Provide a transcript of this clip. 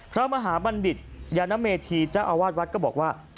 พระมหาบัณฑิตยานเมธีเจ้าอาวาสวัดก็บอกว่า